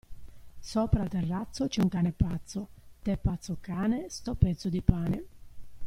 Sopra al terrazzo, c'è un cane pazzo, te' pazzo cane, sto pezzo di pane.